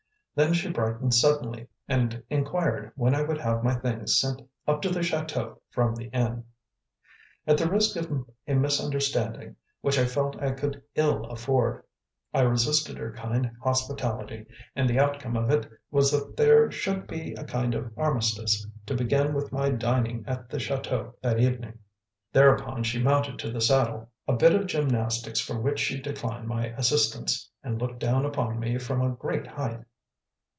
Then she brightened suddenly, and inquired when I would have my things sent up to the chateau from the inn. At the risk of a misunderstanding which I felt I could ill afford, I resisted her kind hospitality, and the outcome of it was that there should be a kind of armistice, to begin with my dining at the chateau that evening. Thereupon she mounted to the saddle, a bit of gymnastics for which she declined my assistance, and looked down upon me from a great height.